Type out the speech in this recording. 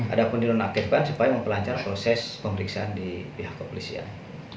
ada penonaktifan supaya mempelancar proses pemeriksaan di pihak kepolisian